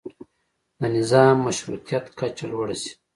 د نظام مشروطیت کچه لوړه شي.